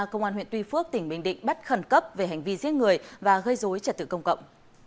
công an huyện tuy phước tỉnh bình định bắt khẩn cấp về hành vi giết người và gây dối trật tự công cộng